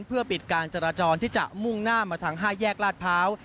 เพื่อปิดการจราจรที่จะมุ่งหน้ามาทาง๕แยกลาดพร้าว